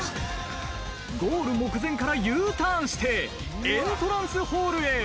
ゴール目前からＵターンしてエントランスホールへ。